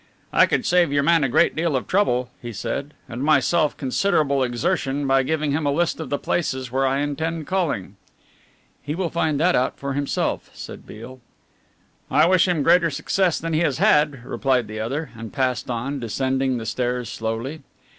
"I could save your man a great deal of trouble," he said, "and myself considerable exertion by giving him a list of the places where I intend calling." "He will find that out for himself," said Beale. "I wish him greater success than he has had," replied the other, and passed on, descending the stairs slowly.